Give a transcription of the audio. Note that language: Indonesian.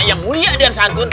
yang mulia dan santun